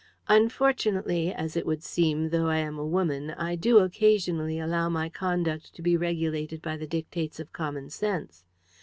"Unfortunately, as it would seem, though I am a woman, I do occasionally allow my conduct to be regulated by the dictates of common sense.